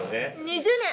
２０年！